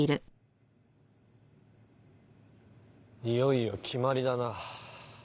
いよいよ決まりだな。